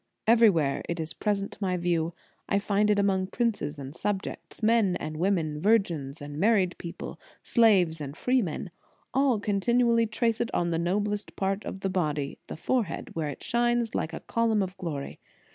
Everywhere it is present to my view. I find it among princes and subjects, men and women, virgins and married people, slaves and freemen. All continually trace it on the noblest part of the body, the forehead, where it shines like a column of glory.